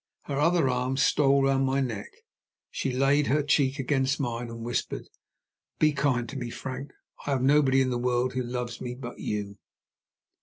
Her other arm stole round my neck; she laid her cheek against mine, and whispered "Be kind to me, Frank I have nobody in the world who loves me but you!"